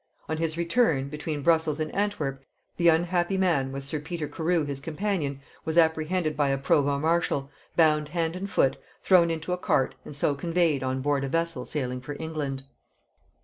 On his return, between Brussels and Antwerp, the unhappy man, with sir Peter Carew his companion, was apprehended by a provost marshal, bound hand and foot, thrown into a cart, and so conveyed on board a vessel sailing for England.